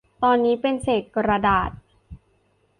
ตอนนี้เป็นเศษกระดาษ